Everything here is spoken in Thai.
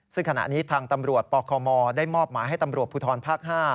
ซึ่งขณะนี้ทางตำรวจปคมได้มอบหมายให้ตำรวจภูทรภาค๕